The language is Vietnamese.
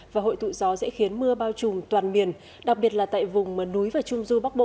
và hội tụ gió sẽ khiến mưa bao trùm toàn miền đặc biệt là tại vùng núi và trung du bắc bộ